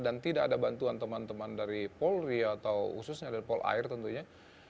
dan tidak ada bantuan teman teman dari polri atau khususnya dari polair tentunya